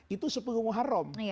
itu sepuluh muharam